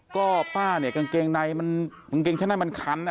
ก็ป้าเนี่ยกางเกงในมันกางเกงชั้นในมันคันนะ